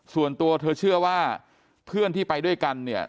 ส่วนตัวเธอเชื่อว่าเพื่อนที่ไปด้วยกันเนี่ย